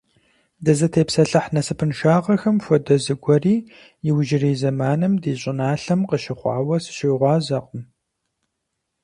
Дызытепсэлъыхь насыпыншагъэхэм хуэдэ зыгуэри иужьрей зэманым ди щӀыналъэм къыщыхъуауэ сыщыгъуазэкъым.